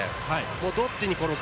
どっちに転ぶか